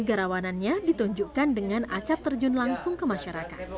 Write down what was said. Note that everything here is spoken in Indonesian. kegarawanannya ditunjukkan dengan acap terjun langsung ke masyarakat